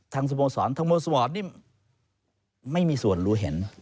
สโมสรทางโมสรนี่ไม่มีส่วนรู้เห็น